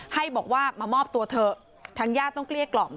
ให้บอกว่ามามอบตัวเถอะทางญาติต้องเกลี้ยกล่อม